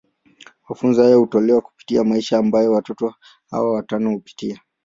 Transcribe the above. Mafunzo haya hutolewa kupitia maisha ambayo watoto hawa watano hupitia.